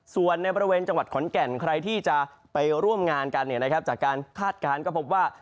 ส่วนในบริเวณจังหวัดขอนแก่นใครที่จะไปร่วมงานกันจากการคาดการณ์ก็พบว่า